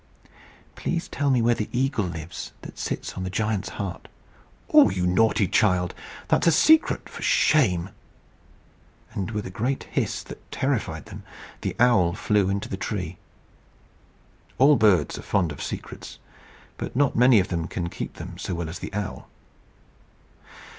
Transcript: "Please tell me where the eagle lives that sits on the giant's heart." "Oh, you naughty child! That's a secret. For shame!" And with a great hiss that terrified them, the owl flew into the tree. All birds are fond of secrets; but not many of them can keep them so well as the owl.